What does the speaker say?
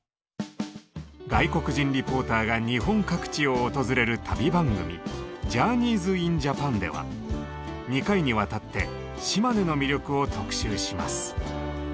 外国人リポーターが日本各地を訪れる旅番組「ＪｏｕｒｎｅｙｓｉｎＪａｐａｎ」では２回にわたって島根の魅力を特集します。